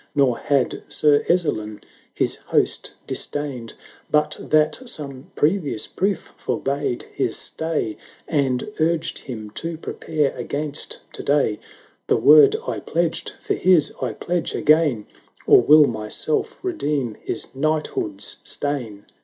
Nor had Sir Ezzelin his host disdained, But that some previous proof forbade his stay, And urged him to prepare against to day; The word I pledged for his I pledge again, Or will myself redeem his knighthood's stain."